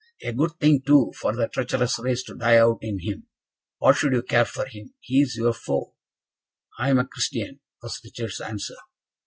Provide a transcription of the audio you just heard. "A good thing too for the treacherous race to die out in him! What should you care for him? he is your foe." "I am a Christian," was Richard's answer.